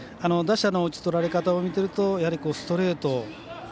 打者の打ち取られ方を見てると、ストレート。